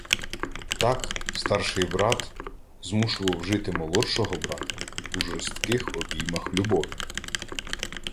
Так «старший брат» змушував жити «молодшого брата» – у жорстоких «обіймах любові»